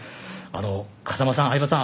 風間さん、相葉さん